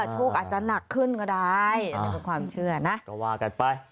โชคอาจจะหนักขึ้นก็ได้ความเชื่อนะก็ว่ากันไป